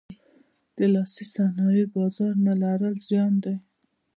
د لاسي صنایعو بازار نه لرل زیان دی.